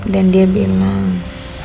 dan dia bilang